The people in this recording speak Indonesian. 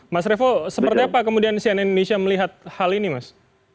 mas revo seperti apa kemudian sian indonesia melihat hal ini mas